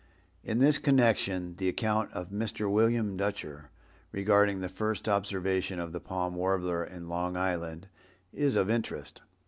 In this connection the account of Mr. William Dutcher, regarding the first observation of the Palm Warbler in Long Island, is of interest.